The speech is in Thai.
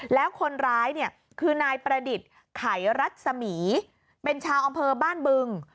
แล้วคนร้ายเนี่ยคือนายประดิษฐ์ไขรัศมีเป็นชาวอำเภอบ้านบึง